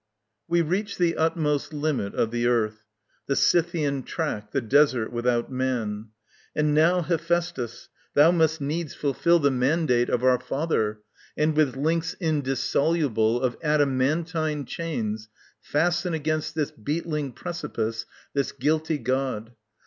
_ We reach the utmost limit of the earth, The Scythian track, the desert without man. And now, Hephæstus, thou must needs fulfil The mandate of our Father, and with links Indissoluble of adamantine chains Fasten against this beetling precipice This guilty god.